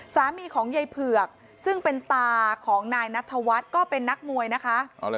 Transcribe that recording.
สามีของยายเผือกซึ่งเป็นตาของนายนัทธวัฒน์ก็เป็นนักมวยนะคะ